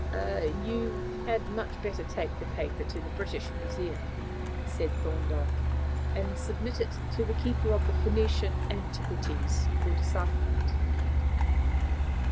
"You had much better take the paper to the British Museum," said Thorndyke, "and submit it to the keeper of the Phoenician antiquities for decipherment."